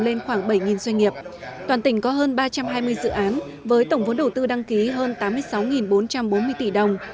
lên khoảng bảy doanh nghiệp toàn tỉnh có hơn ba trăm hai mươi dự án với tổng vốn đầu tư đăng ký hơn tám mươi sáu bốn trăm bốn mươi tỷ đồng